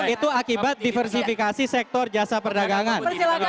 itu akibat diversifikasi sektor jasa perdagangan